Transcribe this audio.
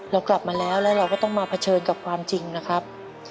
เรากลับมาแล้วแล้วเราก็ต้องมาเผชิญกับความจริงนะครับ